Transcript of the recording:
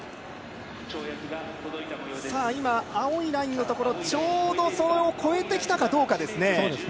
今、青いラインのところ、ちょうどそれを越えてきたかどうかですね。